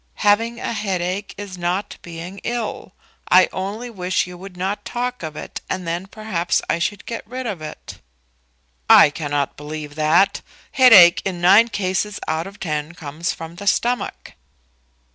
"Having a headache is not being ill. I only wish you would not talk of it, and then perhaps I should get rid of it." "I cannot believe that. Headache in nine cases out of ten comes from the stomach."